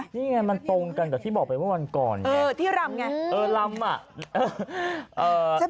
นี่ไงมันตรงกันกับที่บอกไปเมื่อวันก่อนเออที่รำไงเออลำอ่ะ